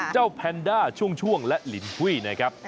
แพนด้าช่วงและลินหุ้ยนะครับ